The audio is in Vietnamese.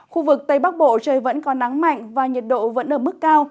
khu vực tây bắc bộ trời vẫn có nắng mạnh và nhiệt độ vẫn ở mức cao